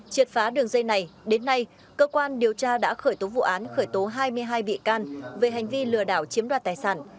triệt phá đường dây này đến nay cơ quan điều tra đã khởi tố vụ án khởi tố hai mươi hai bị can về hành vi lừa đảo chiếm đoạt tài sản